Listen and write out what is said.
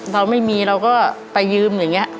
เราไม่มีเราก็ไปยืม